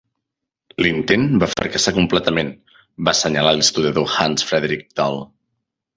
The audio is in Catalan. "L'intent va fracassar completament", va senyalar l'historiador Hans Fredrik Dahl.